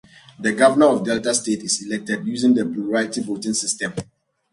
The Governor of Delta State is elected using the plurality voting system.